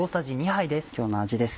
今日の味です。